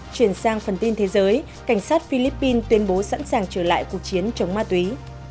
chuyển sang phần tin thế giới cảnh sát philippines tuyên bố sẵn sàng trở lại cuộc chiến chống ma túy